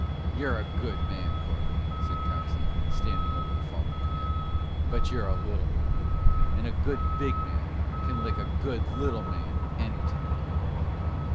"You're a good man, Corbett," said Coxine, standing over the fallen cadet, "but you're a little man, and a good big man can lick a good little man any time!"